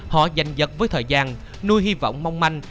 họ dành dật với thời gian nuôi hy vọng mong manh